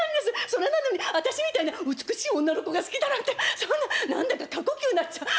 それなのに私みたいな美しい女の子が好きだなんてそんな何だか過呼吸になっちゃう。